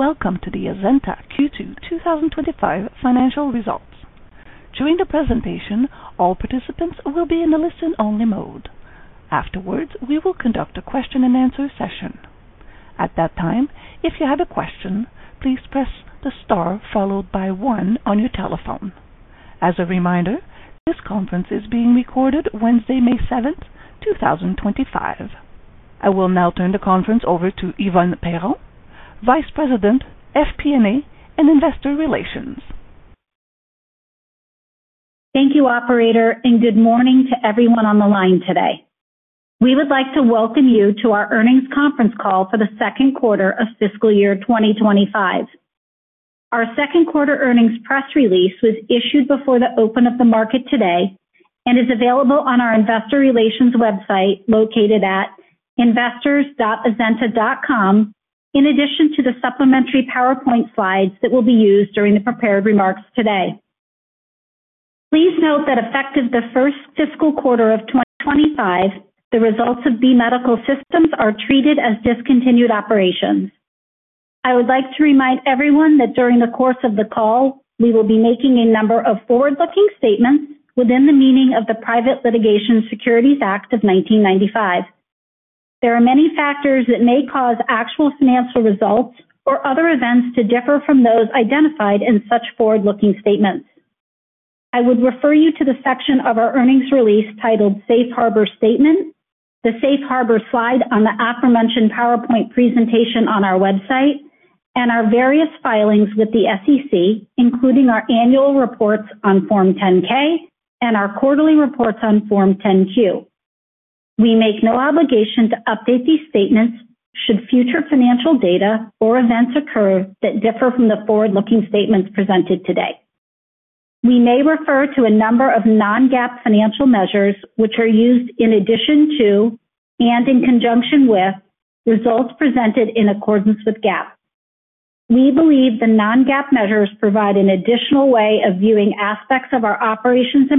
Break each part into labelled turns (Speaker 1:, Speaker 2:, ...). Speaker 1: Greetings and welcome to the Azenta Q2 2025 Financial Results. During the presentation, all participants will be in a listen-only mode. Afterwards, we will conduct a question and answer session. At that time, if you have a question, please press the star followed by one on your telephone. As a reminder, this conference is being recorded Wednesday, May 7th, 2025. I will now turn the conference over to Yvonne Perron, Vice President, FP&A, and Investor Relations.
Speaker 2: Thank you, Operator, and good morning to everyone on the line today. We would like to welcome you to our earnings conference call for the second quarter of fiscal year 2025. Our second quarter earnings press release was issued before the open of the market today and is available on our Investor Relations website located at investors.azenta.com, in addition to the supplementary PowerPoint slides that will be used during the prepared remarks today. Please note that effective the first fiscal quarter of 2025, the results of B Medical Systems are treated as discontinued operations. I would like to remind everyone that during the course of the call, we will be making a number of forward-looking statements within the meaning of the Private Litigation Securities Act of 1995. There are many factors that may cause actual financial results or other events to differ from those identified in such forward-looking statements. I would refer you to the section of our earnings release titled Safe Harbor Statement, the Safe Harbor slide on the aforementioned PowerPoint presentation on our website, and our various filings with the SEC, including our annual reports on Form 10-K and our quarterly reports on Form 10-Q. We make no obligation to update these statements should future financial data or events occur that differ from the forward-looking statements presented today. We may refer to a number of non-GAAP financial measures which are used in addition to and in conjunction with results presented in accordance with GAAP. We believe the non-GAAP measures provide an additional way of viewing aspects of our operations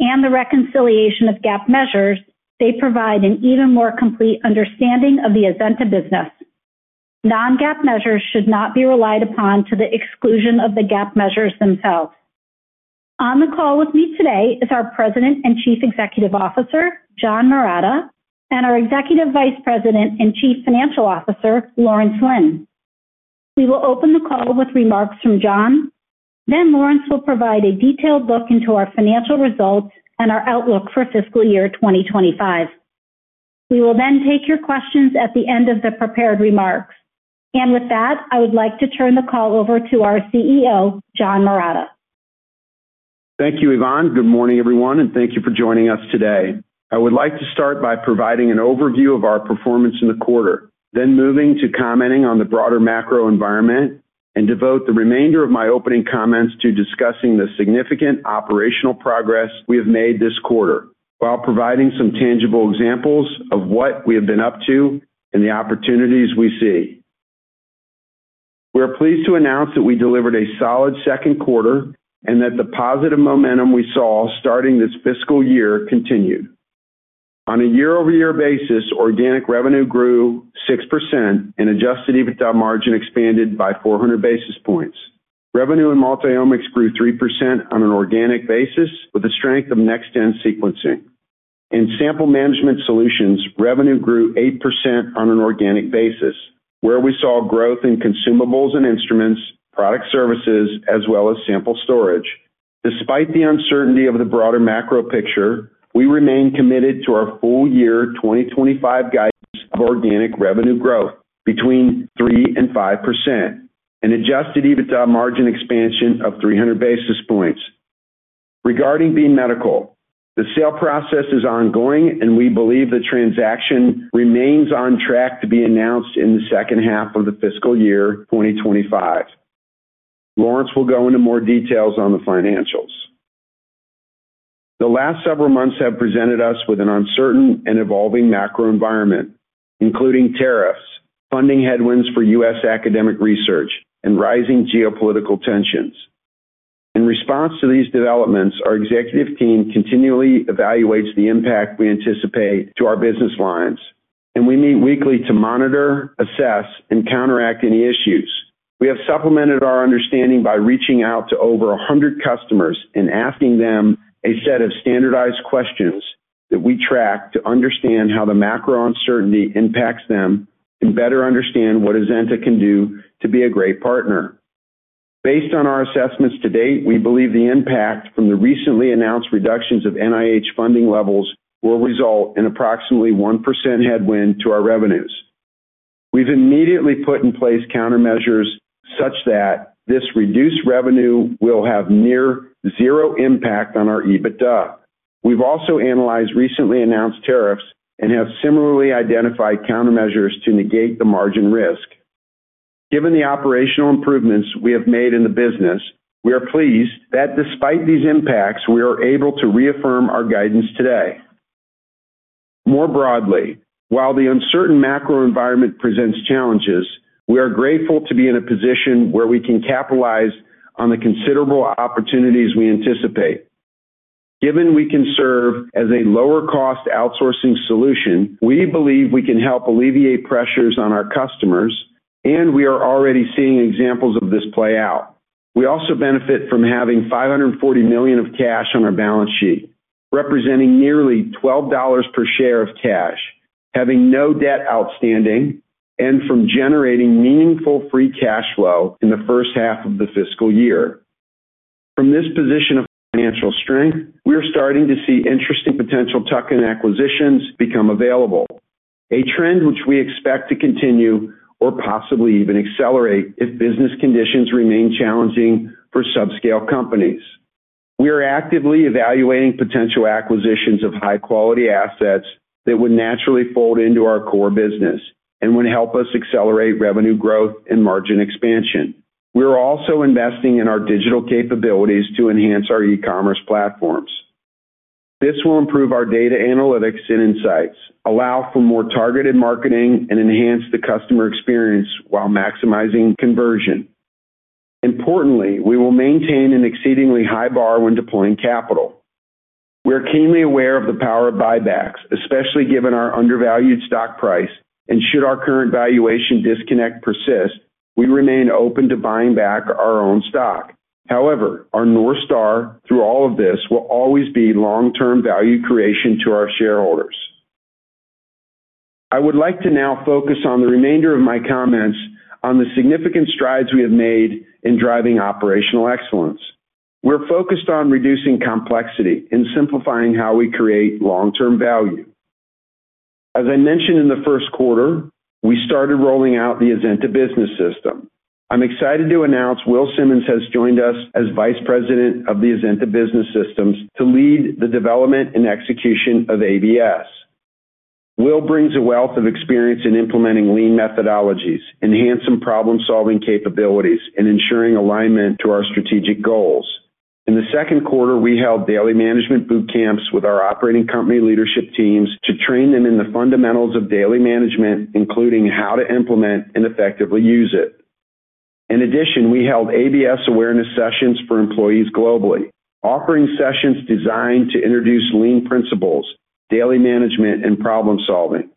Speaker 2: and performance, but when considered with GAAP financial results and the reconciliation of GAAP measures, they provide an even more complete understanding of the Azenta business. Non-GAAP measures should not be relied upon to the exclusion of the GAAP measures themselves. On the call with me today is our President and Chief Executive Officer, John Marotta, and our Executive Vice President and Chief Financial Officer, Lawrence Lin. We will open the call with remarks from John. Lawrence will provide a detailed look into our financial results and our outlook for fiscal year 2025. We will then take your questions at the end of the prepared remarks. With that, I would like to turn the call over to our CEO, John Marotta.
Speaker 3: Thank you, Yvonne. Good morning, everyone, and thank you for joining us today. I would like to start by providing an overview of our performance in the quarter, then moving to commenting on the broader macro environment, and devote the remainder of my opening comments to discussing the significant operational progress we have made this quarter while providing some tangible examples of what we have been up to and the opportunities we see. We are pleased to announce that we delivered a solid second quarter and that the positive momentum we saw starting this fiscal year continued. On a YoY basis, organic revenue grew 6% and adjusted EBITDA margin expanded by 400 basis points. Revenue in multiomics grew 3% on an organic basis with the strength of next-gen sequencing. In sample management solutions, revenue grew 8% on an organic basis, where we saw growth in consumables and instruments, product services, as well as sample storage. Despite the uncertainty of the broader macro picture, we remain committed to our full-year 2025 guidance of organic revenue growth between 3% and 5% and adjusted EBITDA margin expansion of 300 basis points. Regarding B Medical, the sale process is ongoing, and we believe the transaction remains on track to be announced in the second half of the fiscal year 2025. Lawrence will go into more details on the financials. The last several months have presented us with an uncertain and evolving macro environment, including tariffs, funding headwinds for U.S. academic research, and rising geopolitical tensions. In response to these developments, our Executive Team continually evaluates the impact we anticipate to our business lines, and we meet weekly to monitor, assess, and counteract any issues. We have supplemented our understanding by reaching out to over 100 customers and asking them a set of standardized questions that we track to understand how the macro uncertainty impacts them and better understand what Azenta can do to be a great partner. Based on our assessments to date, we believe the impact from the recently announced reductions of NIH funding levels will result in approximately 1% headwind to our revenues. We've immediately put in place countermeasures such that this reduced revenue will have near-zero impact on our EBITDA. We've also analyzed recently announced tariffs and have similarly identified countermeasures to negate the margin risk. Given the operational improvements we have made in the business, we are pleased that despite these impacts, we are able to reaffirm our guidance today. More broadly, while the uncertain macro environment presents challenges, we are grateful to be in a position where we can capitalize on the considerable opportunities we anticipate. Given we can serve as a lower-cost outsourcing solution, we believe we can help alleviate pressures on our customers, and we are already seeing examples of this play out. We also benefit from having $540 million of cash on our balance sheet, representing nearly $12 per share of cash, having no debt outstanding, and from generating meaningful free cash flow in the first half of the fiscal year. From this position of financial strength, we are starting to see interesting potential tuck-in acquisitions become available, a trend which we expect to continue or possibly even accelerate if business conditions remain challenging for subscale companies. We are actively evaluating potential acquisitions of high-quality assets that would naturally fold into our core business and would help us accelerate revenue growth and margin expansion. We are also investing in our digital capabilities to enhance our e-commerce platforms. This will improve our data analytics and insights, allow for more targeted marketing, and enhance the customer experience while maximizing conversion. Importantly, we will maintain an exceedingly high bar when deploying capital. We are keenly aware of the power of buybacks, especially given our undervalued stock price, and should our current valuation disconnect persist, we remain open to buying back our own stock. However, our North Star through all of this will always be long-term value creation to our shareholders. I would like to now focus on the remainder of my comments on the significant strides we have made in driving operational excellence. We're focused on reducing complexity and simplifying how we create long-term value. As I mentioned in the first quarter, we started rolling out the Azenta Business System. I'm excited to announce Will Simmons has joined us as Vice President of the Azenta Business System to lead the development and execution of ABS. Will brings a wealth of experience in implementing lean methodologies, enhancing problem-solving capabilities, and ensuring alignment to our strategic goals. In the second quarter, we held daily management boot camps with our operating company leadership teams to train them in the fundamentals of daily management, including how to implement and effectively use it. In addition, we held ABS awareness sessions for employees globally, offering sessions designed to introduce lean principles, daily management, and problem-solving.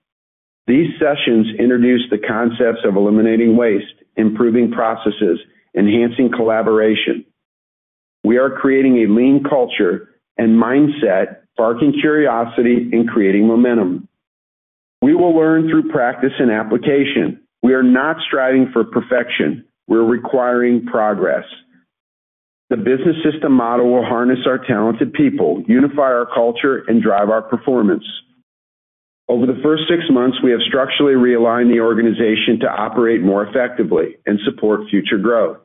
Speaker 3: These sessions introduced the concepts of eliminating waste, improving processes, and enhancing collaboration. We are creating a lean culture and mindset, sparking curiosity and creating momentum. We will learn through practice and application. We are not striving for perfection. We're requiring progress. The business system model will harness our talented people, unify our culture, and drive our performance. Over the first six months, we have structurally realigned the organization to operate more effectively and support future growth.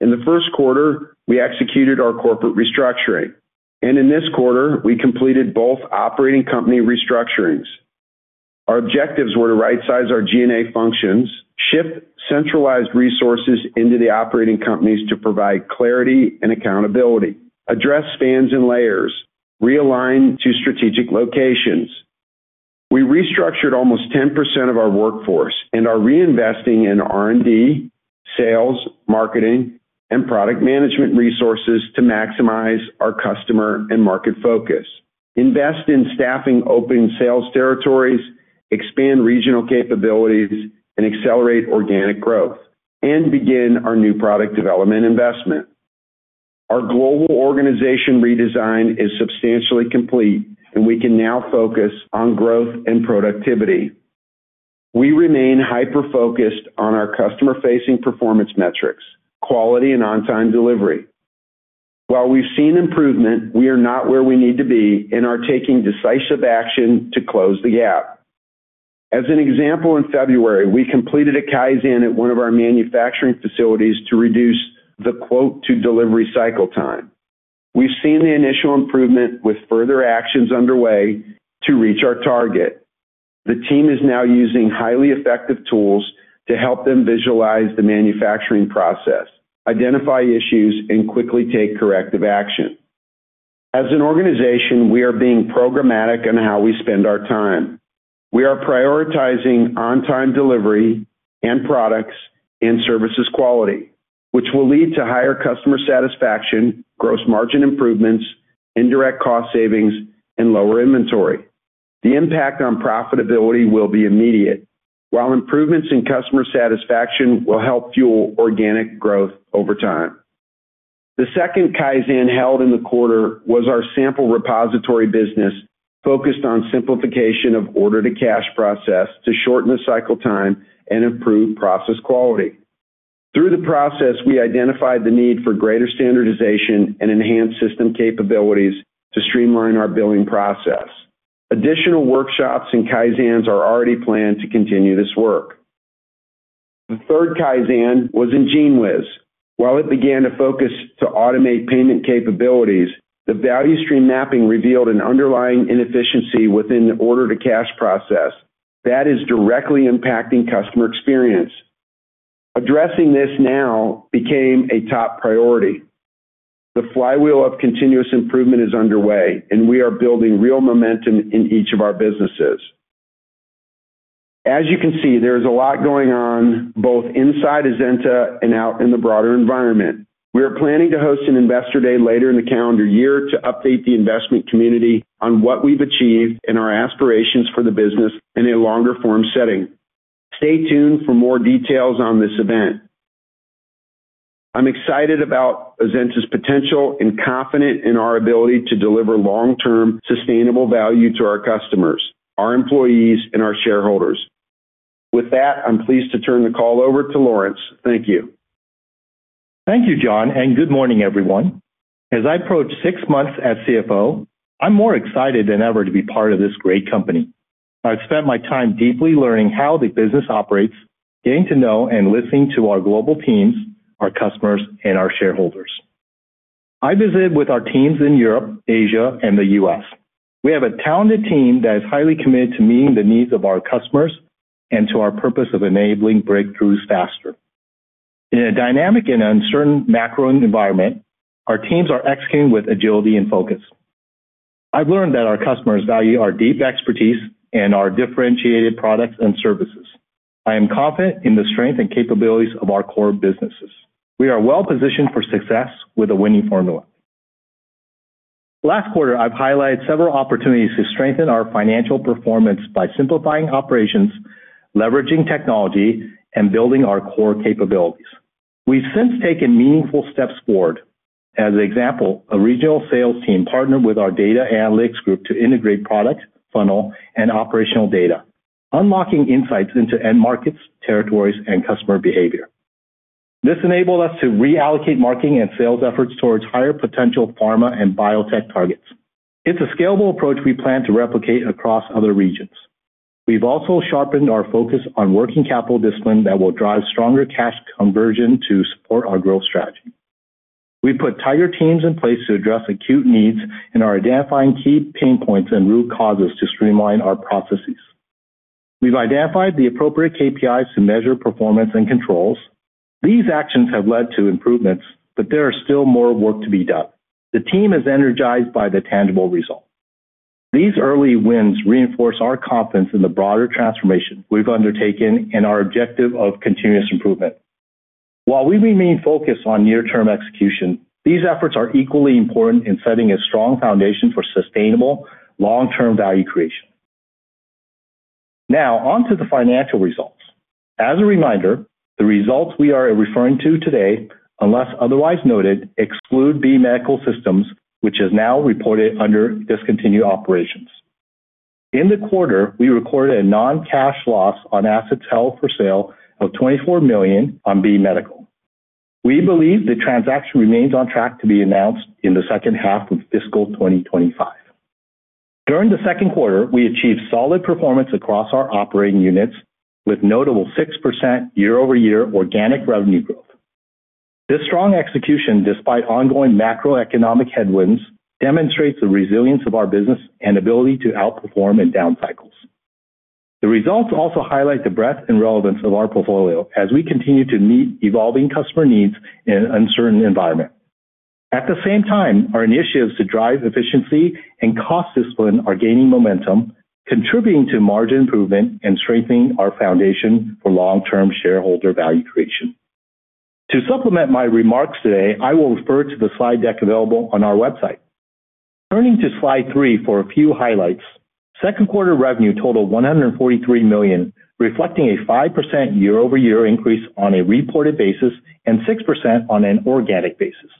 Speaker 3: In the first quarter, we executed our corporate restructuring, and in this quarter, we completed both operating company restructurings. Our objectives were to right-size our G&A functions, shift centralized resources into the operating companies to provide clarity and accountability, address spans and layers, and realign to strategic locations. We restructured almost 10% of our workforce and are reinvesting in R&D, sales, marketing, and product management resources to maximize our customer and market focus, invest in staffing open sales territories, expand regional capabilities, and accelerate organic growth, and begin our new product development investment. Our global organization redesign is substantially complete, and we can now focus on growth and productivity. We remain hyper-focused on our customer-facing performance metrics, quality, and on-time delivery. While we've seen improvement, we are not where we need to be and are taking decisive action to close the gap. As an example, in February, we completed a Kaizen at one of our manufacturing facilities to reduce the quote-to-delivery cycle time. We've seen the initial improvement with further actions underway to reach our target. The team is now using highly effective tools to help them visualize the manufacturing process, identify issues, and quickly take corrective action. As an organization, we are being programmatic in how we spend our time. We are prioritizing on-time delivery and products and services quality, which will lead to higher customer satisfaction, gross margin improvements, indirect cost savings, and lower inventory. The impact on profitability will be immediate, while improvements in customer satisfaction will help fuel organic growth over time. The second Kaizen held in the quarter was our sample repository business focused on simplification of order-to-cash process to shorten the cycle time and improve process quality. Through the process, we identified the need for greater standardization and enhanced system capabilities to streamline our billing process. Additional workshops and Kaizens are already planned to continue this work. The third Kaizen was in GENEWIZ. While it began to focus to automate payment capabilities, the value stream mapping revealed an underlying inefficiency within the order-to-cash process that is directly impacting customer experience. Addressing this now became a top priority. The flywheel of continuous improvement is underway, and we are building real momentum in each of our businesses. As you can see, there is a lot going on both inside Azenta and out in the broader environment. We are planning to host an Investor Day later in the calendar year to update the investment community on what we've achieved and our aspirations for the business in a longer-form setting. Stay tuned for more details on this event. I'm excited about Azenta's potential and confident in our ability to deliver long-term sustainable value to our customers, our employees, and our shareholders. With that, I'm pleased to turn the call over to Lawrence. Thank you.
Speaker 4: Thank you, John, and good morning, everyone. As I approach six months as CFO, I'm more excited than ever to be part of this great company. I've spent my time deeply learning how the business operates, getting to know and listening to our global teams, our customers, and our shareholders. I visited with our teams in Europe, Asia, and the U.S. We have a talented team that is highly committed to meeting the needs of our customers and to our purpose of enabling breakthroughs faster. In a dynamic and uncertain macro environment, our teams are executing with agility and focus. I've learned that our customers value our deep expertise and our differentiated products and services. I am confident in the strength and capabilities of our core businesses. We are well-positioned for success with a winning formula. Last quarter, I've highlighted several opportunities to strengthen our financial performance by simplifying operations, leveraging technology, and building our core capabilities. We've since taken meaningful steps forward. As an example, a regional sales team partnered with our data analytics group to integrate product, funnel, and operational data, unlocking insights into end markets, territories, and customer behavior. This enabled us to reallocate marketing and sales efforts towards higher potential pharma and biotech targets. It's a scalable approach we plan to replicate across other regions. We've also sharpened our focus on working capital discipline that will drive stronger cash conversion to support our growth strategy. We've put tighter teams in place to address acute needs and are identifying key pain points and root causes to streamline our processes. We've identified the appropriate KPIs to measure performance and controls. These actions have led to improvements, but there is still more work to be done. The team is energized by the tangible results. These early wins reinforce our confidence in the broader transformation we've undertaken and our objective of continuous improvement. While we remain focused on near-term execution, these efforts are equally important in setting a strong foundation for sustainable long-term value creation. Now, on to the financial results. As a reminder, the results we are referring to today, unless otherwise noted, exclude B Medical Systems, which is now reported under discontinued operations. In the quarter, we recorded a non-cash loss on assets held for sale of $24 million on B Medical. We believe the transaction remains on track to be announced in the second half of fiscal 2025. During the second quarter, we achieved solid performance across our operating units with notable 6% YoY organic revenue growth. This strong execution, despite ongoing macroeconomic headwinds, demonstrates the resilience of our business and ability to outperform in down cycles. The results also highlight the breadth and relevance of our portfolio as we continue to meet evolving customer needs in an uncertain environment. At the same time, our initiatives to drive efficiency and cost discipline are gaining momentum, contributing to margin improvement and strengthening our foundation for long-term shareholder value creation. To supplement my remarks today, I will refer to the slide deck available on our website. Turning to slide three for a few highlights, second quarter revenue totaled $143 million, reflecting a 5% YoY increase on a reported basis and 6% on an organic basis.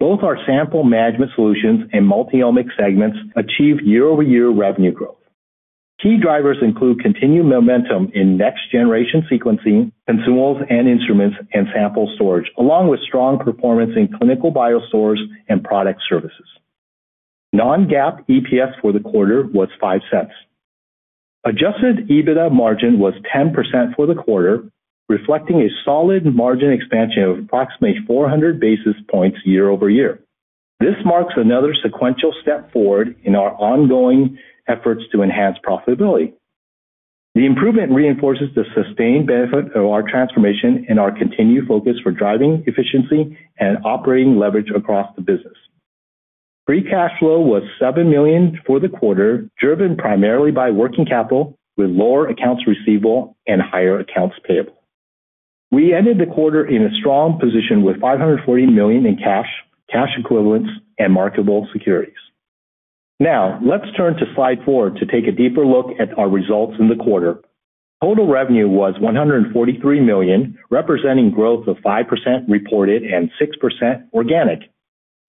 Speaker 4: Both our sample management solutions and multiomics segments achieved YoY revenue growth. Key drivers include continued momentum in next-generation sequencing, consumables and instruments, and sample storage, along with strong performance in clinical biostores and product services. Non-GAAP EPS for the quarter was $0.05. Adjusted EBITDA margin was 10% for the quarter, reflecting a solid margin expansion of approximately 400 basis points YoY. This marks another sequential step forward in our ongoing efforts to enhance profitability. The improvement reinforces the sustained benefit of our transformation and our continued focus for driving efficiency and operating leverage across the business. Free cash flow was $7 million for the quarter, driven primarily by working capital with lower accounts receivable and higher accounts payable. We ended the quarter in a strong position with $540 million in cash, cash equivalents, and marketable securities. Now, let's turn to slide four to take a deeper look at our results in the quarter. Total revenue was $143 million, representing growth of 5% reported and 6% organic.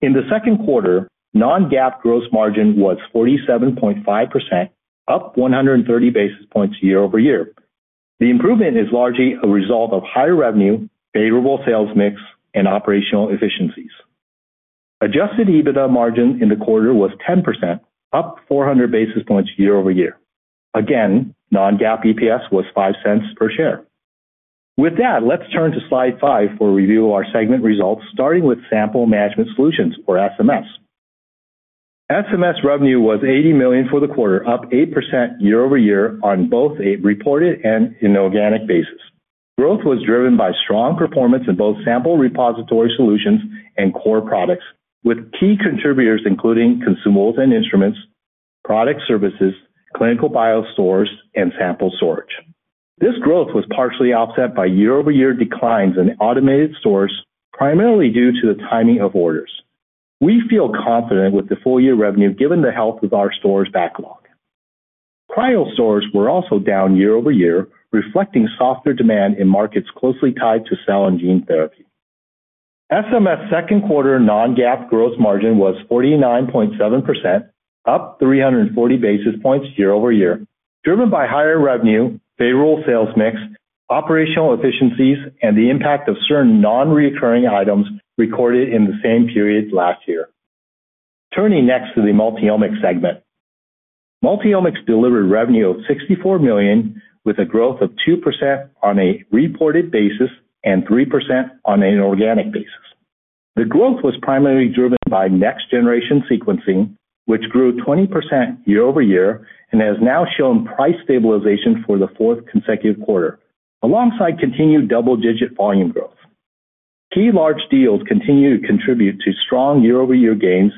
Speaker 4: In the second quarter, non-GAAP gross margin was 47.5%, up 130 basis points YoY. The improvement is largely a result of higher revenue, favorable sales mix, and operational efficiencies. Adjusted EBITDA margin in the quarter was 10%, up 400 basis points YoY. Again, non-GAAP EPS was $0.05 per share. With that, let's turn to slide five for a review of our segment results, starting with sample management solutions for SMS. SMS revenue was $80 million for the quarter, up 8% YoY on both a reported and an organic basis. Growth was driven by strong performance in both sample repository solutions and core products, with key contributors including consumables and instruments, product services, clinical biostores, and sample storage. This growth was partially offset by YoY declines in automated stores, primarily due to the timing of orders. We feel confident with the full-year revenue given the health of our stores' backlog. Cryo stores were also down YoY, reflecting softer demand in markets closely tied to cell and gene therapy. SMS second quarter non-GAAP gross margin was 49.7%, up 340 basis points YoY, driven by higher revenue, favorable sales mix, operational efficiencies, and the impact of certain non-recurring items recorded in the same period last year. Turning next to the multiomics segment. Multiomics delivered revenue of $64 million, with a growth of 2% on a reported basis and 3% on an organic basis. The growth was primarily driven by next-generation sequencing, which grew 20% YoY and has now shown price stabilization for the fourth consecutive quarter, alongside continued double-digit volume growth. Key large deals continue to contribute to strong YoY gains,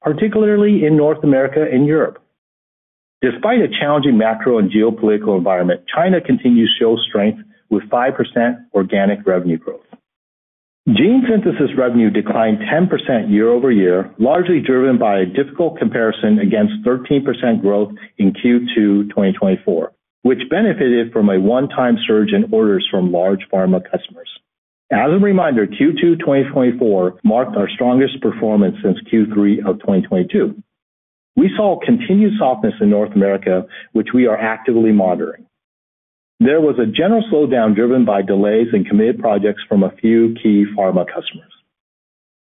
Speaker 4: particularly in North America and Europe. Despite a challenging macro and geopolitical environment, China continues to show strength with 5% organic revenue growth. Gene synthesis revenue declined 10% YoY, largely driven by a difficult comparison against 13% growth in Q2 2024, which benefited from a one-time surge in orders from large pharma customers. As a reminder, Q2 2024 marked our strongest performance since Q3 of 2022. We saw continued softness in North America, which we are actively monitoring. There was a general slowdown driven by delays in committed projects from a few key pharma customers.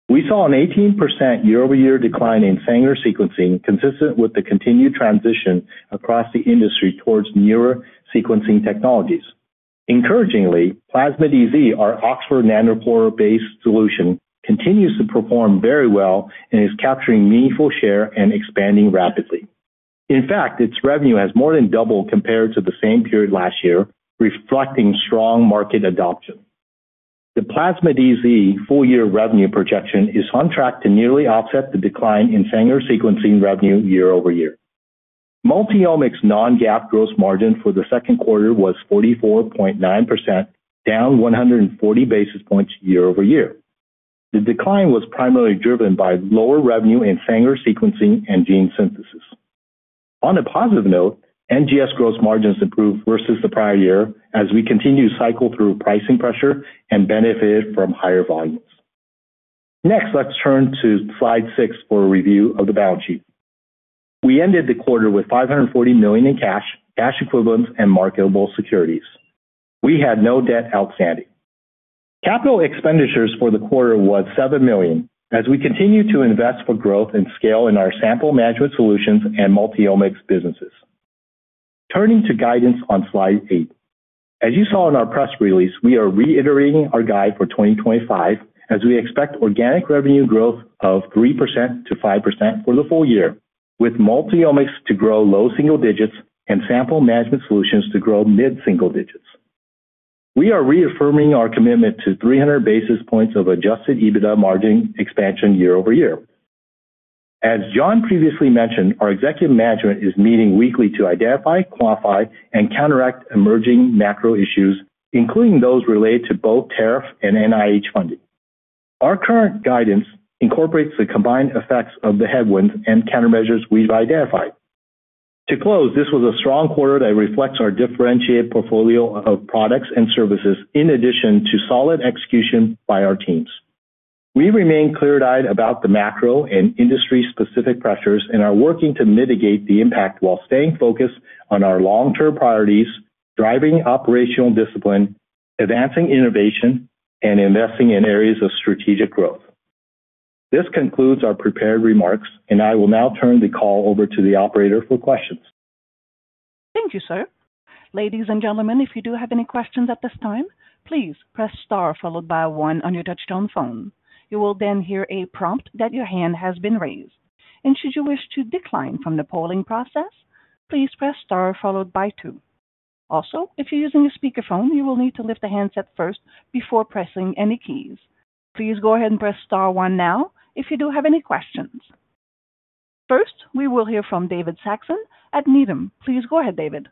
Speaker 4: We saw an 18% YoY decline in Sanger sequencing, consistent with the continued transition across the industry towards newer sequencing technologies. Encouragingly, Plasma DZ, our Oxford Nanopore-based solution, continues to perform very well and is capturing meaningful share and expanding rapidly. In fact, its revenue has more than doubled compared to the same period last year, reflecting strong market adoption. The Plasma DZ full-year revenue projection is on track to nearly offset the decline in Sanger sequencing revenue YoY. Multiomics non-GAAP gross margin for the second quarter was 44.9%, down 140 basis points YoY. The decline was primarily driven by lower revenue in Sanger sequencing and gene synthesis. On a positive note, NGS gross margins improved versus the prior year as we continued to cycle through pricing pressure and benefited from higher volumes. Next, let's turn to slide six for a review of the balance sheet. We ended the quarter with $540 million in cash, cash equivalents, and marketable securities. We had no debt outstanding. Capital expenditures for the quarter was $7 million as we continue to invest for growth and scale in our sample management solutions and multiomics businesses. Turning to guidance on slide eight. As you saw in our press release, we are reiterating our guide for 2025 as we expect organic revenue growth of 3%-5% for the full year, with multiomics to grow low-single digits and sample management solutions to grow mid-single digits. We are reaffirming our commitment to 300 basis points of adjusted EBITDA margin expansion YoY. As John previously mentioned, our executive management is meeting weekly to identify, qualify, and counteract emerging macro issues, including those related to both tariff and NIH funding. Our current guidance incorporates the combined effects of the headwinds and countermeasures we've identified. To close, this was a strong quarter that reflects our differentiated portfolio of products and services in addition to solid execution by our teams. We remain clear-eyed about the macro and industry-specific pressures and are working to mitigate the impact while staying focused on our long-term priorities, driving operational discipline, advancing innovation, and investing in areas of strategic growth. This concludes our prepared remarks, and I will now turn the call over to the operator for questions.
Speaker 1: Thank you, sir. Ladies and gentlemen, if you do have any questions at this time, please press star followed by one on your touch-tone phone. You will then hear a prompt that your hand has been raised. If you wish to decline from the polling process, please press star followed by two. Also, if you're using a speakerphone, you will need to lift the handset first before pressing any keys. Please go ahead and press star one now if you do have any questions. First, we will hear from David Saxon at Needham. Please go ahead, David.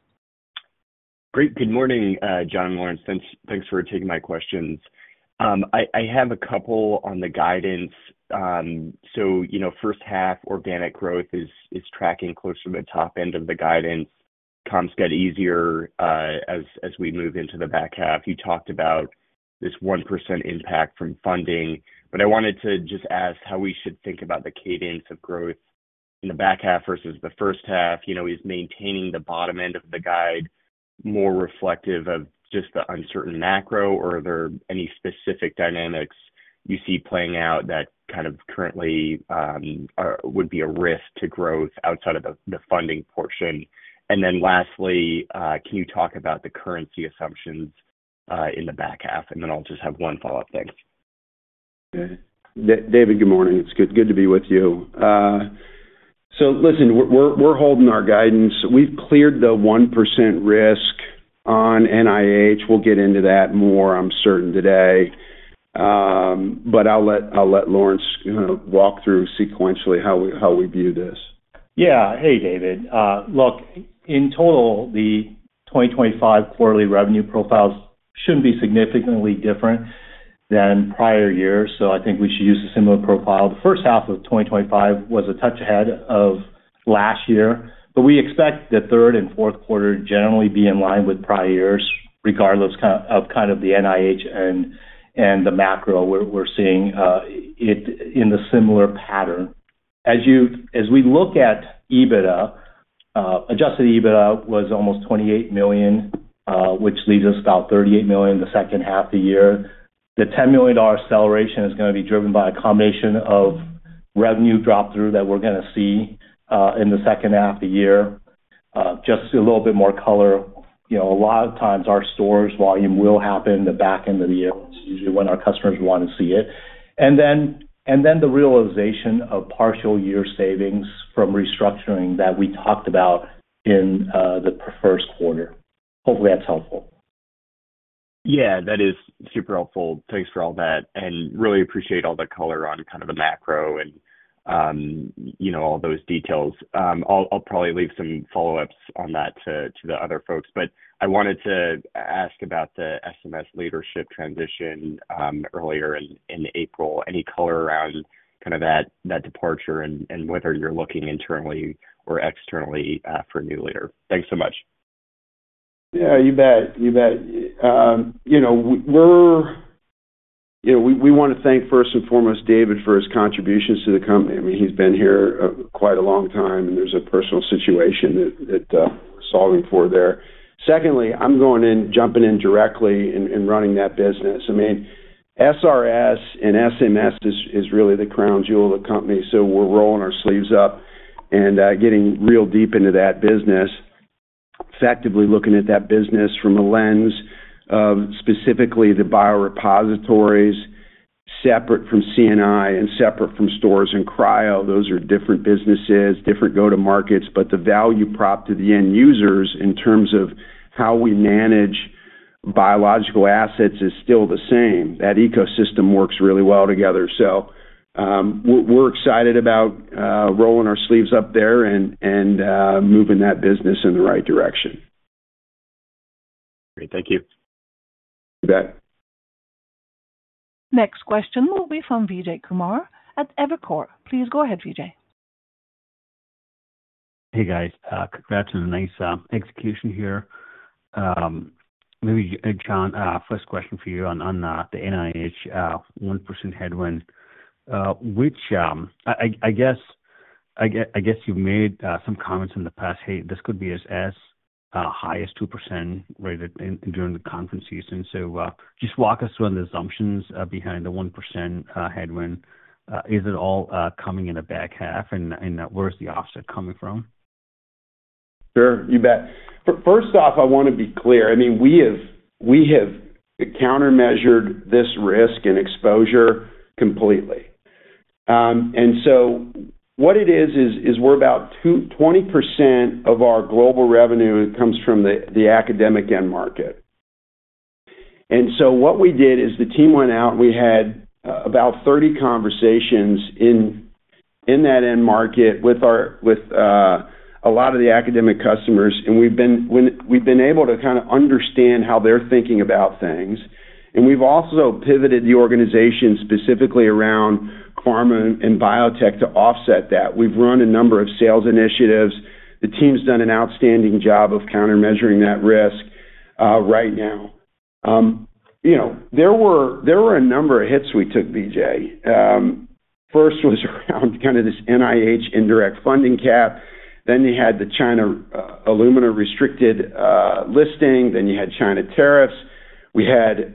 Speaker 5: Great. Good morning, John, Lawrence. Thanks for taking my questions. I have a couple on the guidance. You know, first half organic growth is tracking closer to the top end of the guidance. Comps got easier as we move into the back half. You talked about this 1% impact from funding, but I wanted to just ask how we should think about the cadence of growth in the back half versus the first half. You know, is maintaining the bottom end of the guide more reflective of just the uncertain macro, or are there any specific dynamics you see playing out that kind of currently would be a risk to growth outside of the funding portion? Lastly, can you talk about the currency assumptions in the back half? I'll just have one follow-up. Thanks.
Speaker 3: Okay. David, good morning. It's good to be with you. Listen, we're holding our guidance. We've cleared the 1% risk on NIH. We'll get into that more, I'm certain, today. I'll let Lawrence kind of walk through sequentially how we view this.
Speaker 4: Yeah. Hey, David. Look, in total, the 2025 quarterly revenue profiles should not be significantly different than prior years, so I think we should use a similar profile. The first half of 2025 was a touch ahead of last year, but we expect the third and fourth quarter generally to be in line with prior years, regardless of kind of the NIH and the macro we are seeing in the similar pattern. As we look at EBITDA, adjusted EBITDA was almost $28 million, which leaves us about $38 million in the second half of the year. The $10 million acceleration is going to be driven by a combination of revenue drop-through that we are going to see in the second half of the year. Just a little bit more color. You know, a lot of times our stores' volume will happen the back end of the year. It's usually when our customers want to see it. The realization of partial year savings from restructuring that we talked about in the first quarter. Hopefully, that's helpful.
Speaker 5: Yeah, that is super helpful. Thanks for all that. I really appreciate all the color on kind of the macro and all those details. I'll probably leave some follow-ups on that to the other folks, but I wanted to ask about the SMS leadership transition earlier in April. Any color around kind of that departure and whether you're looking internally or externally for a new leader? Thanks so much.
Speaker 3: Yeah, you bet. You bet. You know, we want to thank first and foremost David for his contributions to the company. I mean, he's been here quite a long time, and there's a personal situation that we're solving for there. Secondly, I'm going in, jumping in directly and running that business. I mean, SRS and SMS is really the crown jewel of the company, so we're rolling our sleeves up and getting real deep into that business, effectively looking at that business from a lens of specifically the biorepositories, separate from CNI and separate from stores and cryo. Those are different businesses, different go-to-markets, but the value prop to the end users in terms of how we manage biological assets is still the same. That ecosystem works really well together. We're excited about rolling our sleeves up there and moving that business in the right direction.
Speaker 5: Great. Thank you.
Speaker 3: You bet.
Speaker 1: Next question will be from Vijay Kumar at Evercore. Please go ahead, Vijay.
Speaker 6: Hey, guys. Congrats on a nice execution here. Maybe, John, first question for you on the NIH 1% headwind, which I guess you've made some comments in the past, "Hey, this could be as high as 2% rated during the conference season." Just walk us through on the assumptions behind the 1% headwind. Is it all coming in the back half, and where is the offset coming from?
Speaker 3: Sure. You bet. First off, I want to be clear. I mean, we have countermeasured this risk and exposure completely. What it is, is we're about 20% of our global revenue comes from the academic end market. What we did is the team went out, and we had about 30 conversations in that end market with a lot of the academic customers, and we've been able to kind of understand how they're thinking about things. We've also pivoted the organization specifically around pharma and biotech to offset that. We've run a number of sales initiatives. The team's done an outstanding job of countermeasuring that risk right now. You know, there were a number of hits we took, Vijay. First was around kind of this NIH indirect funding cap. Then you had the China aluminum restricted listing. Then you had China tariffs. We had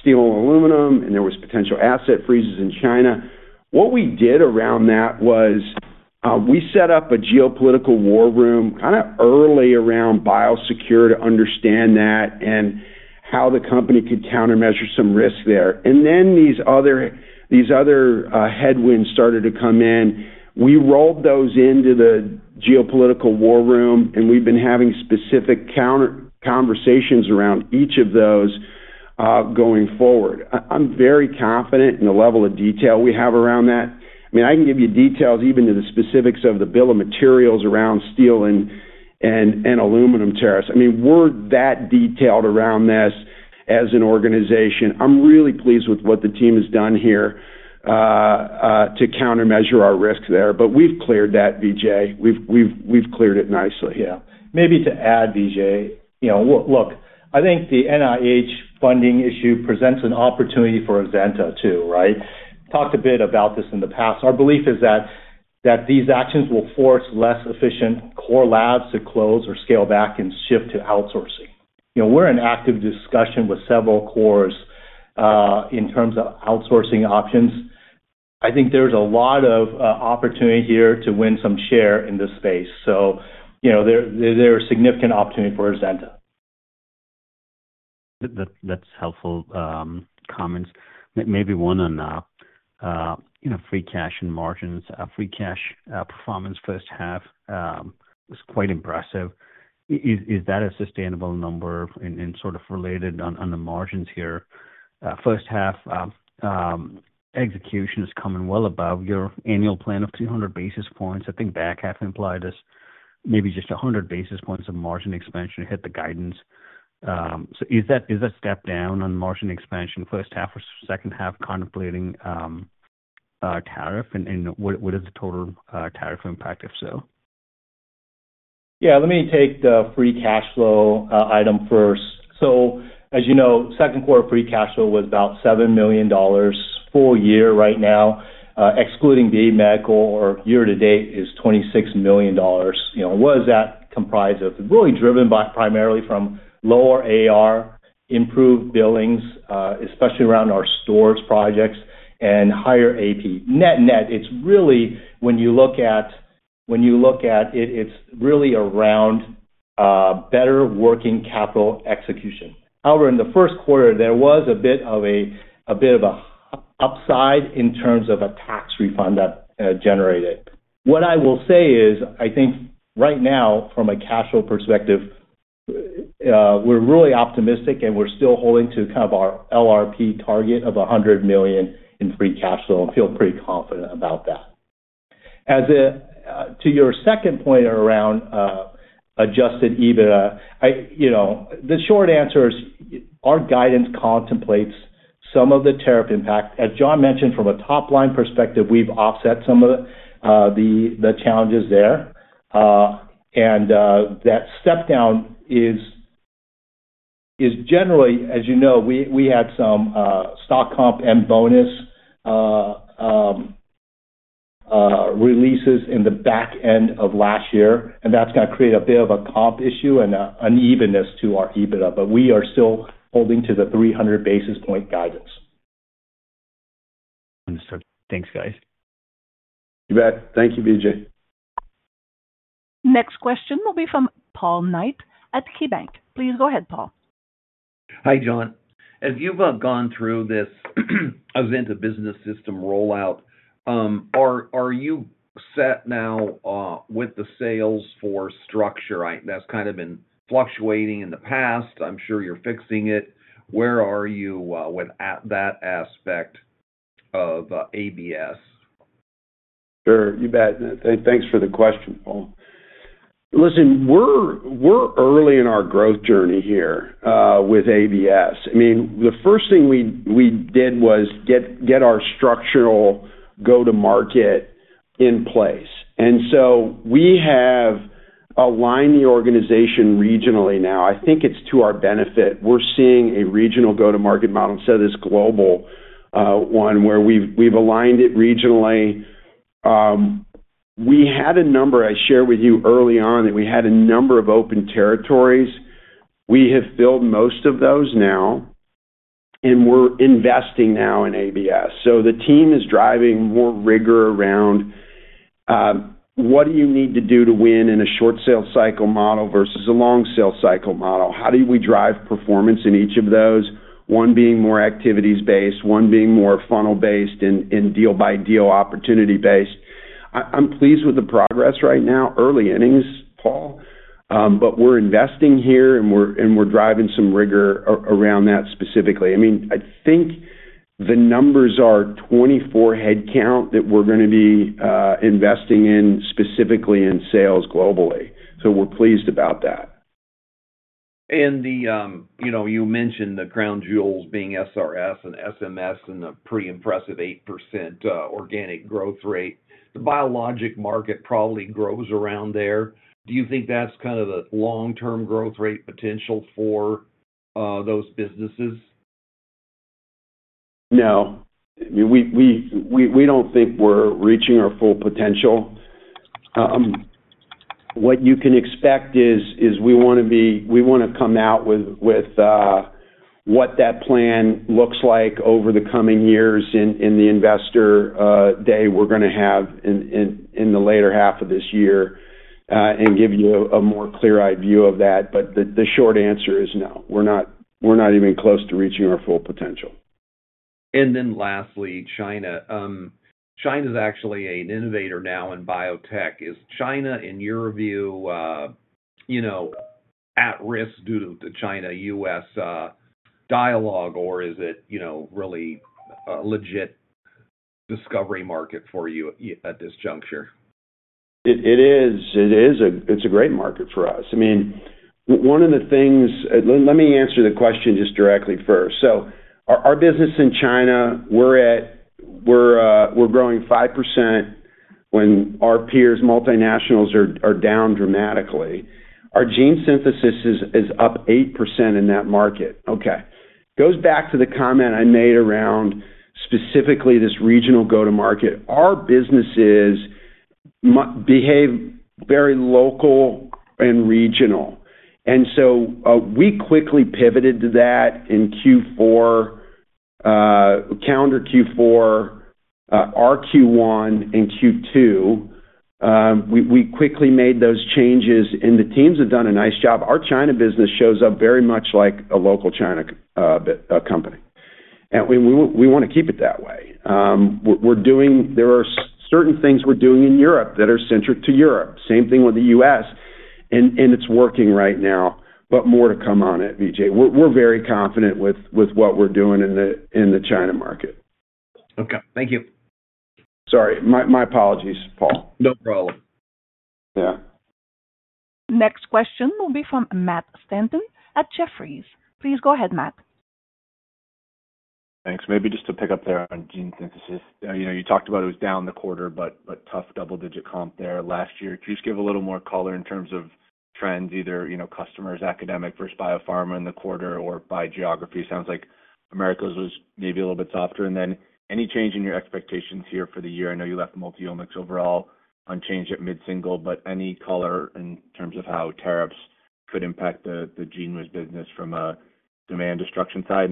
Speaker 3: steel and aluminum, and there was potential asset freezes in China. What we did around that was we set up a geopolitical war room kind of early around biosecure to understand that and how the company could countermeasure some risk there. These other headwinds started to come in. We rolled those into the geopolitical war room, and we've been having specific conversations around each of those going forward. I'm very confident in the level of detail we have around that. I mean, I can give you details even to the specifics of the bill of materials around steel and aluminum tariffs. I mean, we're that detailed around this as an organization. I'm really pleased with what the team has done here to countermeasure our risk there, but we've cleared that, Vijay. We've cleared it nicely.
Speaker 4: Yeah. Maybe to add, Vijay, you know, look, I think the NIH funding issue presents an opportunity for Azenta, too, right? Talked a bit about this in the past. Our belief is that these actions will force less efficient core labs to close or scale back and shift to outsourcing. You know, we're in active discussion with several cores in terms of outsourcing options. I think there's a lot of opportunity here to win some share in this space. You know, there are significant opportunities for Azenta.
Speaker 7: That's helpful comments. Maybe one on free cash and margins. Free cash performance first half was quite impressive. Is that a sustainable number and sort of related on the margins here? First half execution is coming well above your annual plan of 200 basis points. I think back half implied this. Maybe just 100 basis points of margin expansion hit the guidance. Is that a step down on margin expansion first half or second half contemplating tariff? What is the total tariff impact, if so?
Speaker 4: Yeah. Let me take the free cash flow item first. As you know, second quarter free cash flow was about $7 million. Full year right now, excluding the medical, or year to date, is $26 million. You know, what does that comprise of? Really driven primarily from lower AR, improved billings, especially around our stores projects, and higher AP. Net net, when you look at it, it's really around better working capital execution. However, in the first quarter, there was a bit of an upside in terms of a tax refund that generated. What I will say is, I think right now, from a cash flow perspective, we're really optimistic, and we're still holding to kind of our LRP target of $100 million in free cash flow and feel pretty confident about that. As to your second point around adjusted EBITDA, you know, the short answer is our guidance contemplates some of the tariff impact. As John mentioned, from a top-line perspective, we have offset some of the challenges there. That step down is generally, as you know, we had some stock comp and bonus releases in the back end of last year, and that is going to create a bit of a comp issue and unevenness to our EBITDA, but we are still holding to the 300 basis point guidance.
Speaker 7: Understood. Thanks, guys.
Speaker 3: You bet. Thank you, Vijay.
Speaker 1: Next question will be from Paul Knight at KeyBanc. Please go ahead, Paul.
Speaker 8: Hi, John. As you've gone through this Azenta Business System rollout, are you set now with the sales force structure? That's kind of been fluctuating in the past. I'm sure you're fixing it. Where are you with that aspect of ABS?
Speaker 3: Sure. You bet. Thanks for the question, Paul. Listen, we're early in our growth journey here with ABS. I mean, the first thing we did was get our structural go-to-market in place. We have aligned the organization regionally now. I think it's to our benefit. We're seeing a regional go-to-market model instead of this global one where we've aligned it regionally. We had a number I shared with you early on that we had a number of open territories. We have filled most of those now, and we're investing now in ABS. The team is driving more rigor around what do you need to do to win in a short sale cycle model versus a long sale cycle model. How do we drive performance in each of those, one being more activities-based, one being more funnel-based and deal-by-deal opportunity-based? I'm pleased with the progress right now, early innings, Paul, but we're investing here and we're driving some rigor around that specifically. I mean, I think the numbers are 24 headcount that we're going to be investing in specifically in sales globally. So we're pleased about that.
Speaker 8: You know, you mentioned the crown jewels being SRS and SMS and a pretty impressive 8% organic growth rate. The biologic market probably grows around there. Do you think that's kind of the long-term growth rate potential for those businesses?
Speaker 3: No. I mean, we do not think we are reaching our full potential. What you can expect is we want to come out with what that plan looks like over the coming years in the investor day we are going to have in the later half of this year and give you a more clear-eyed view of that. The short answer is no. We are not even close to reaching our full potential.
Speaker 8: Lastly, China. China's actually an innovator now in biotech. Is China, in your view, you know, at risk due to the China-U.S. dialogue, or is it, you know, really a legit discovery market for you at this juncture?
Speaker 3: It is. It is. It's a great market for us. I mean, one of the things—let me answer the question just directly first. Our business in China, we're growing 5% when our peers, multinationals, are down dramatically. Our gene synthesis is up 8% in that market. Okay. Goes back to the comment I made around specifically this regional go-to-market. Our businesses behave very local and regional. We quickly pivoted to that in Q4, calendar Q4, our Q1, and Q2. We quickly made those changes, and the teams have done a nice job. Our China business shows up very much like a local China company. We want to keep it that way. There are certain things we're doing in Europe that are centered to Europe. Same thing with the U.S., and it's working right now, but more to come on it, Vijay. We're very confident with what we're doing in the China market.
Speaker 8: Okay. Thank you.
Speaker 3: Sorry. My apologies, Paul.
Speaker 8: No problem.
Speaker 3: Yeah.
Speaker 1: Next question will be from Matt Stanton at Jefferies. Please go ahead, Matt.
Speaker 9: Thanks. Maybe just to pick up there on gene synthesis. You talked about it was down the quarter, but tough double-digit comp there last year. Can you just give a little more color in terms of trends, either, you know, customers, academic versus biopharma in the quarter or by geography? Sounds like Americas was maybe a little bit softer. Any change in your expectations here for the year? I know you left multiomics overall unchanged at mid-single, but any color in terms of how tariffs could impact the GENEWIZ business from a demand destruction side?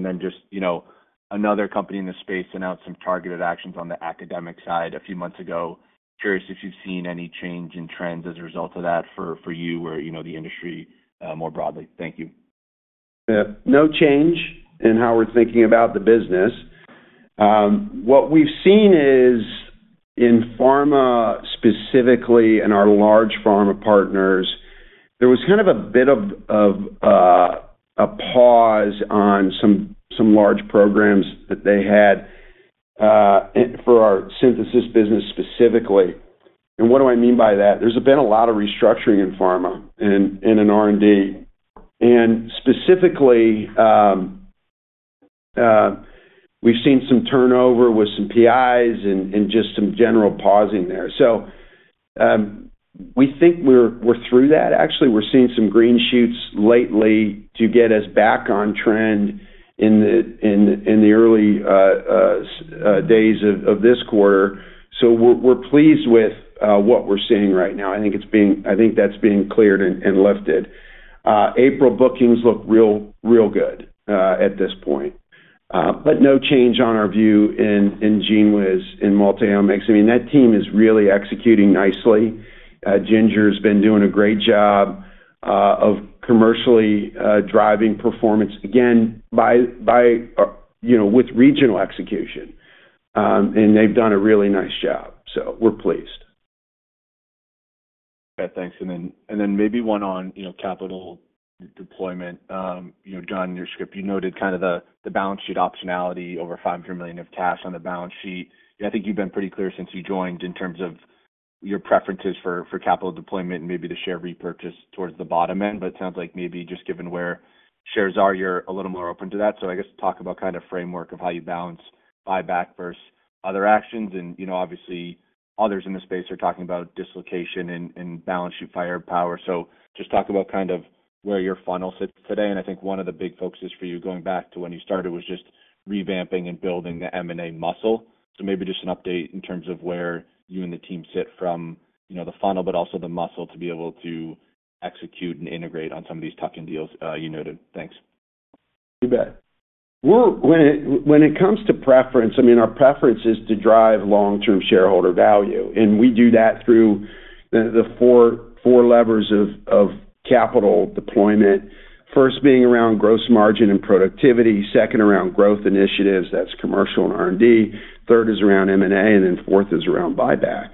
Speaker 9: Another company in the space announced some targeted actions on the academic side a few months ago. Curious if you've seen any change in trends as a result of that for you or, you know, the industry more broadly. Thank you.
Speaker 3: Yeah. No change in how we're thinking about the business. What we've seen is in pharma specifically and our large pharma partners, there was kind of a bit of a pause on some large programs that they had for our synthesis business specifically. What do I mean by that? There's been a lot of restructuring in pharma and in R&D. Specifically, we've seen some turnover with some PIs and just some general pausing there. We think we're through that. Actually, we're seeing some green shoots lately to get us back on trend in the early days of this quarter. We're pleased with what we're seeing right now. I think that's being cleared and lifted. April bookings look real, real good at this point, but no change on our view in GENEWIZ in multiomics. I mean, that team is really executing nicely. Ginger has been doing a great job of commercially driving performance, again, by, you know, with regional execution. They've done a really nice job. We are pleased.
Speaker 9: Okay. Thanks. And then maybe one on, you know, capital deployment. You know, John, in your script, you noted kind of the balance sheet optionality over $500 million of cash on the balance sheet. I think you've been pretty clear since you joined in terms of your preferences for capital deployment and maybe the share repurchase towards the bottom end. But it sounds like maybe just given where shares are, you're a little more open to that. So I guess talk about kind of framework of how you balance buyback versus other actions. And, you know, obviously, others in the space are talking about dislocation and balance sheet firepower. So just talk about kind of where your funnel sits today. And I think one of the big focuses for you going back to when you started was just revamping and building the M&A muscle. Maybe just an update in terms of where you and the team sit from, you know, the funnel, but also the muscle to be able to execute and integrate on some of these tuck-in deals you noted. Thanks.
Speaker 3: You bet. When it comes to preference, I mean, our preference is to drive long-term shareholder value. We do that through the four levers of capital deployment, first being around gross margin and productivity, second around growth initiatives. That is commercial and R&D. Third is around M&A, and then fourth is around buyback.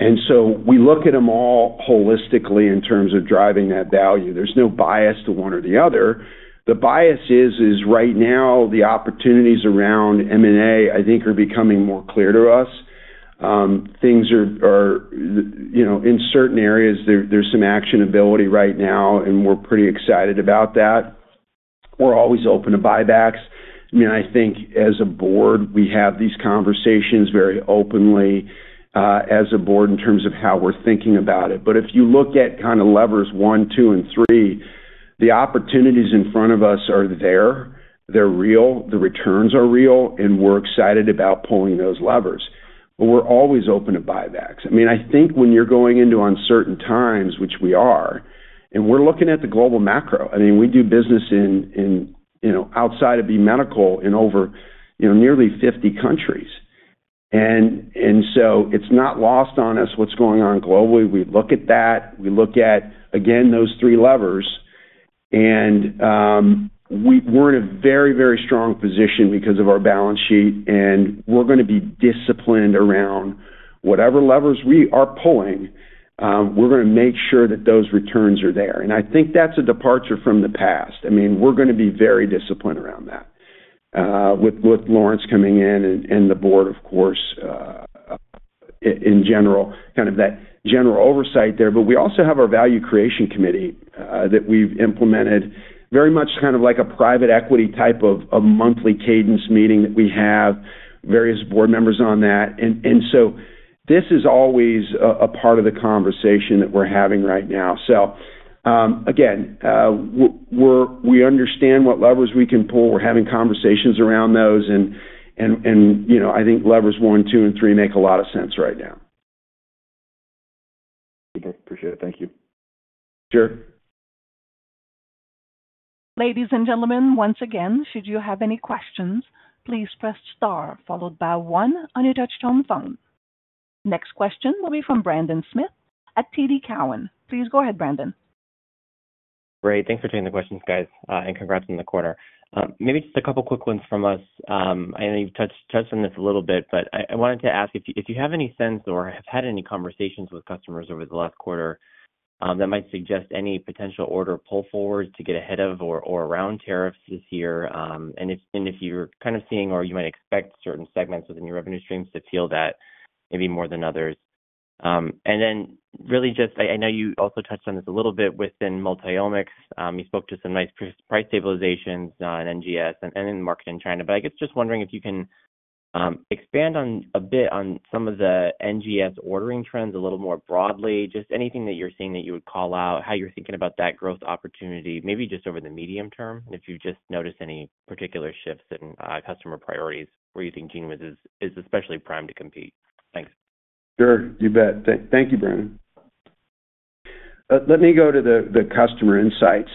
Speaker 3: We look at them all holistically in terms of driving that value. There is no bias to one or the other. The bias is, is right now the opportunities around M&A, I think, are becoming more clear to us. Things are, you know, in certain areas, there is some actionability right now, and we are pretty excited about that. We are always open to buybacks. I mean, I think as a board, we have these conversations very openly as a board in terms of how we are thinking about it. If you look at kind of levers one, two, and three, the opportunities in front of us are there. They're real. The returns are real, and we're excited about pulling those levers. We're always open to buybacks. I mean, I think when you're going into uncertain times, which we are, and we're looking at the global macro, I mean, we do business in, you know, outside of B Medical Systems in over, you know, nearly 50 countries. It's not lost on us what's going on globally. We look at that. We look at, again, those three levers. We're in a very, very strong position because of our balance sheet. We're going to be disciplined around whatever levers we are pulling. We're going to make sure that those returns are there. I think that's a departure from the past. I mean, we're going to be very disciplined around that with Lawrence coming in and the board, of course, in general, kind of that general oversight there. We also have our value creation committee that we've implemented, very much kind of like a private equity type of monthly cadence meeting that we have various board members on that. This is always a part of the conversation that we're having right now. Again, we understand what levers we can pull. We're having conversations around those. You know, I think levers one, two, and three make a lot of sense right now.
Speaker 9: Super. Appreciate it. Thank you.
Speaker 3: Sure.
Speaker 1: Ladies and gentlemen, once again, should you have any questions, please press star followed by one on your touch-tone phone. Next question will be from Brandon Smith at TD Cowen. Please go ahead, Brandon.
Speaker 10: Great. Thanks for taking the questions, guys, and congrats on the quarter. Maybe just a couple of quick ones from us. I know you've touched on this a little bit, but I wanted to ask if you have any sense or have had any conversations with customers over the last quarter that might suggest any potential order pull forward to get ahead of or around tariffs this year? If you're kind of seeing or you might expect certain segments within your revenue streams to feel that maybe more than others. I know you also touched on this a little bit within multiomics. You spoke to some nice price stabilizations in NGS and in market in China. I guess just wondering if you can expand on a bit on some of the NGS ordering trends a little more broadly, just anything that you're seeing that you would call out, how you're thinking about that growth opportunity, maybe just over the medium term, and if you've just noticed any particular shifts in customer priorities where you think GENEWIZ is especially primed to compete. Thanks.
Speaker 3: Sure. You bet. Thank you, Brandon. Let me go to the customer insights.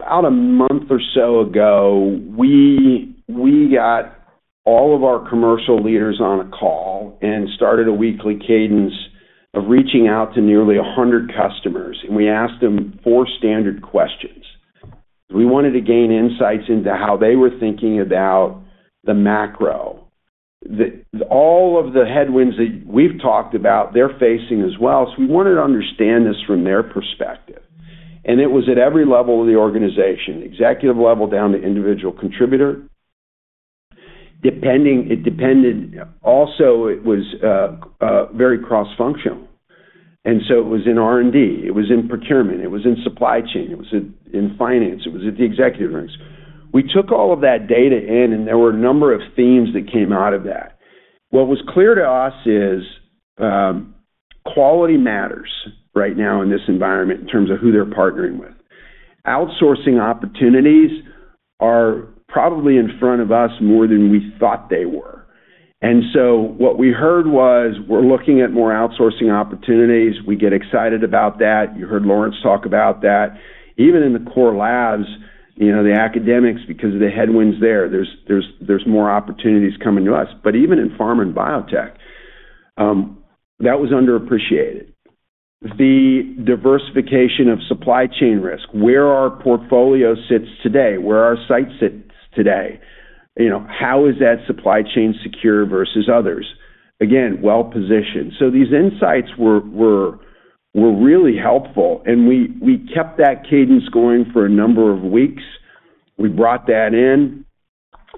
Speaker 3: About a month or so ago, we got all of our commercial leaders on a call and started a weekly cadence of reaching out to nearly 100 customers. We asked them four standard questions. We wanted to gain insights into how they were thinking about the macro. All of the headwinds that we've talked about, they're facing as well. We wanted to understand this from their perspective. It was at every level of the organization, executive level down to individual contributor. It depended also, it was very cross-functional. It was in R&D. It was in procurement. It was in supply chain. It was in finance. It was at the executive ranks. We took all of that data in, and there were a number of themes that came out of that. What was clear to us is quality matters right now in this environment in terms of who they're partnering with. Outsourcing opportunities are probably in front of us more than we thought they were. What we heard was we're looking at more outsourcing opportunities. We get excited about that. You heard Lawrence talk about that. Even in the core labs, you know, the academics, because of the headwinds there, there's more opportunities coming to us. Even in pharma and biotech, that was underappreciated. The diversification of supply chain risk, where our portfolio sits today, where our site sits today, you know, how is that supply chain secure versus others? Again, well-positioned. These insights were really helpful. We kept that cadence going for a number of weeks. We brought that in.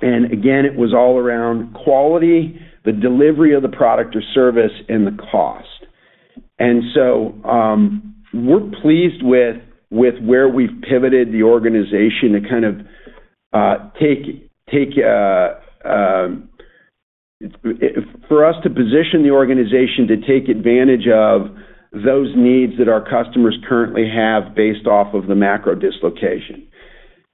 Speaker 3: It was all around quality, the delivery of the product or service, and the cost. We are pleased with where we have pivoted the organization to position the organization to take advantage of those needs that our customers currently have based off of the macro dislocation.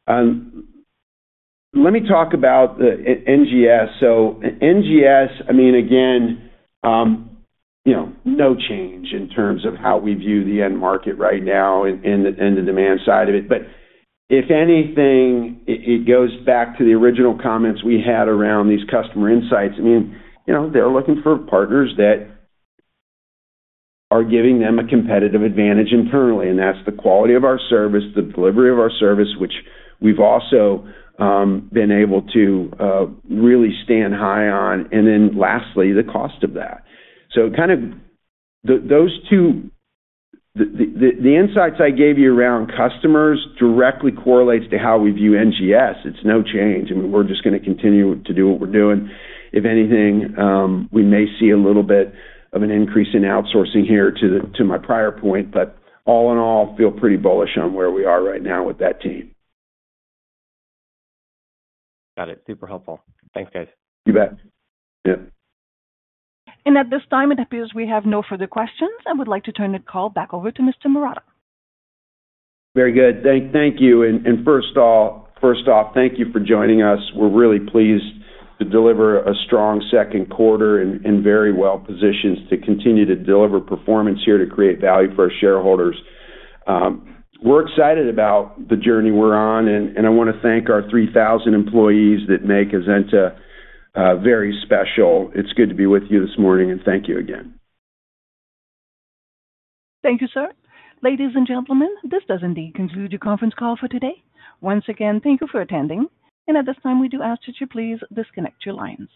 Speaker 3: Let me talk about the NGS. NGS, I mean, again, you know, no change in terms of how we view the end market right now and the demand side of it. If anything, it goes back to the original comments we had around these customer insights. You know, they are looking for partners that are giving them a competitive advantage internally. That is the quality of our service, the delivery of our service, which we have also been able to really stand high on. Lastly, the cost of that. Kind of those two, the insights I gave you around customers directly correlates to how we view NGS. It's no change. I mean, we're just going to continue to do what we're doing. If anything, we may see a little bit of an increase in outsourcing here to my prior point, but all in all, feel pretty bullish on where we are right now with that team.
Speaker 10: Got it. Super helpful. Thanks, guys.
Speaker 3: You bet. Yeah.
Speaker 1: At this time, it appears we have no further questions. I would like to turn the call back over to Mr. Marotta.
Speaker 3: Very good. Thank you. First off, thank you for joining us. We're really pleased to deliver a strong second quarter and very well-positioned to continue to deliver performance here to create value for our shareholders. We're excited about the journey we're on. I want to thank our 3,000 employees that make Azenta very special. It's good to be with you this morning. Thank you again.
Speaker 1: Thank you, sir. Ladies and gentlemen, this does indeed conclude your conference call for today. Once again, thank you for attending. At this time, we do ask that you please disconnect your lines.